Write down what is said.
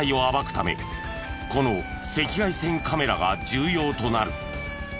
ためこの赤外線カメラが重要となる。